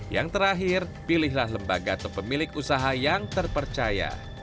yang terakhir pilihlah lembaga atau pemilik usaha yang terpercaya